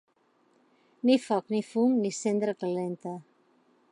Ni foc, ni fum, ni cendra calenta.